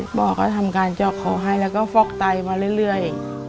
หมอก็ทำการเจาะคอให้แล้วก็ฟอกไตมาเรื่อย